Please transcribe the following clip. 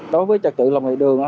đối với trật tự lồng lề đường